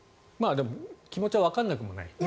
でも気持ちはわからなくもない。